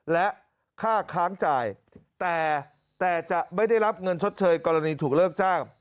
และค่าค้างจ่ายแต่จะไม่ได้รับเงินชดเชยกรณีถูกเลิกจ้าง